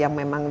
yang memang di